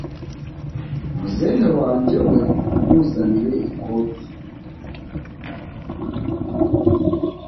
Muzehe wanjye we namuzaniye ikoti